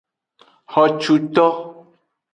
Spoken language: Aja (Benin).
Xocuto.